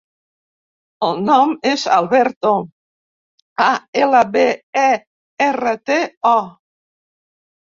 El nom és Alberto: a, ela, be, e, erra, te, o.